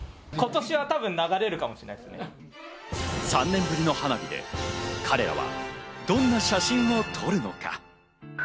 ３年ぶりの花火で彼らはどんな写真を撮るのか？